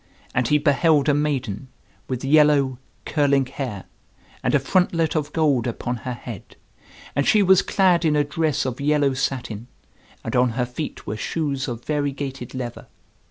And he beheld a maiden, with yellow, curling hair, and a frontlet of gold upon her head; and she was clad in a dress of yellow satin, and on her feet were shoes of variegated leather.